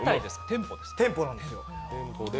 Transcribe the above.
店舗なんですよ。